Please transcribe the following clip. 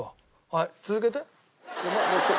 はい続けて。